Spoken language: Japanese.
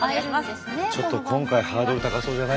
ちょっと今回ハードル高そうじゃない？